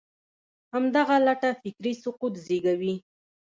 همدغه لټه فکري سقوط زېږوي.